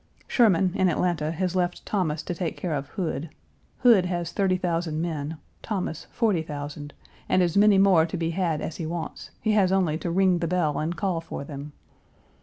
Sherman, in Atlanta, has left Thomas to take care of Hood. Hood has thirty thousand men, Thomas forty thousand, and as many more to be had as he wants; he has only to ring the bell and call for them.